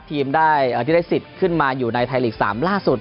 ทีมได้ที่ได้สิทธิ์ขึ้นมาอยู่ในไทยลีก๓ล่าสุด